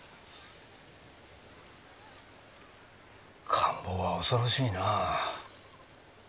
感冒は恐ろしいな。